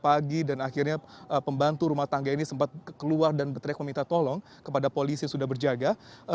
pagi dan akhirnya pembantu rumah tangga ini sempat keluar dan berteriak meminta tolong kepada polisi yang sudah berjaga